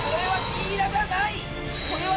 これは。